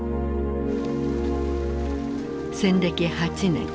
戦歴８年。